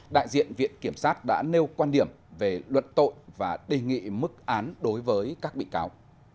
đại diện viện kiểm sát đã nêu quan điểm về luận tội và đề nghị mức án đối với các bị cáo